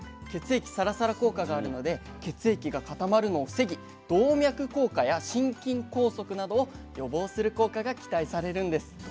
血液サラサラ効果があるので血液が固まるのを防ぎ動脈硬化や心筋梗塞などを予防する効果が期待されるんです。